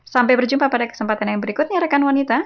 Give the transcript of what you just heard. sampai berjumpa pada kesempatan yang berikutnya rekan wanita